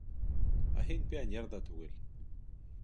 Ә һин пионер ҙа түгел.